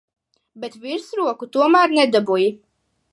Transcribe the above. Bet virsroku tomēr nedabūji.